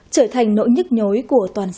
trở thành nỗi nhức nhối của các người đàn ông